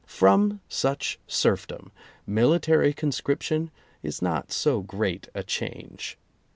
From such serfdom, military conscription is not so great a change.